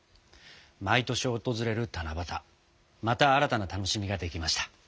毎年訪れる七夕また新たな楽しみができました。